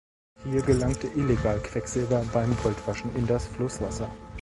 Hier gelangte illegal Quecksilber beim Goldwaschen in das Flusswasser.